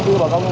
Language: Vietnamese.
đi bật áo phao